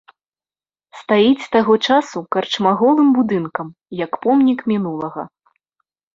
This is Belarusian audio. Стаіць з таго часу карчма голым будынкам, як помнік мінулага.